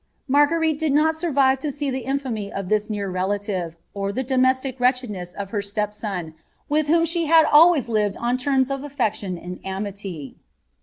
Marguerite did not survive to aea Ac infamy of this near relative, or the domestic wretchedness of her W^ son, with whom she had always lived on terms of affection and aniisr.